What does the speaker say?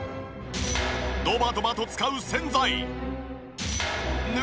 ドバドバと使う洗剤。